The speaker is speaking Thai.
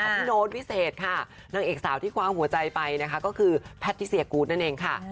โน้ตวิเศษค่ะนางเอกสาวที่คว้างหัวใจไปนะคะก็คือแพทิเซียกูธนั่นเองค่ะ